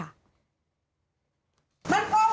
อ่ากูพร้อมเฮ่อฟ้านสิ